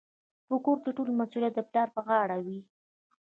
په کور کي ټول مسوليت د پلار پر غاړه وي.